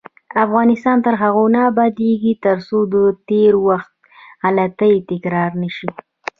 افغانستان تر هغو نه ابادیږي، ترڅو د تیر وخت غلطۍ تکرار نشي.